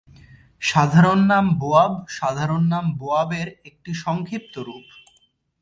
সাধারণ নাম "বোয়াব" সাধারণ নাম "বোয়াব" এর একটি সংক্ষিপ্ত রূপ।